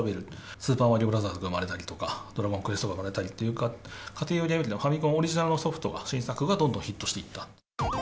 スーパーマリオブラザーズが生まれたりとか、ドラゴンクエストが生まれたりとか、家庭用ゲーム機のオリジナルソフトの新作がどんどんヒットしていった。